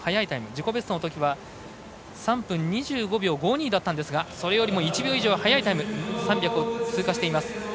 自己ベストのときは３分２５秒５２だったんですがそれよりも１秒以上速いタイムで３００を通過。